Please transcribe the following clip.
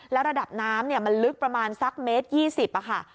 แล้วระดับน้ำมันลึกประมาณสัก๑๒๐เมตร